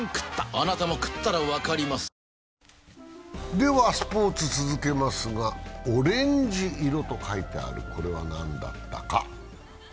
ではスポーツ続けますが、オレンジ色と書いてある、これは何だったか。